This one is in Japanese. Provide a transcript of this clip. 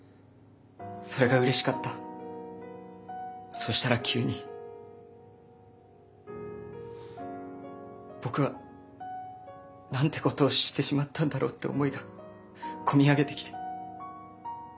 そしたら急に僕はなんてことをしてしまったんだろうって思いが込み上げてきて。